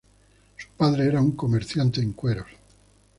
Su padre era un comerciante de cueros.